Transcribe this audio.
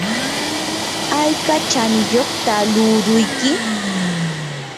¿ayka chaniyuqtaq luuruyki?